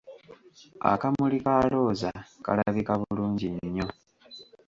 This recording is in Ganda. Akamuli ka Looza kalabika bulungi nnyo!